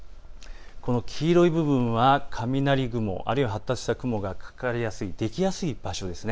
この黄色い部分は雷雲、あるいは発達した雲がかかりやすい、できやすい場所です。